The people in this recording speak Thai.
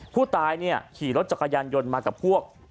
ผู้ตายขี่รถจักรยานยนต์มากับพวก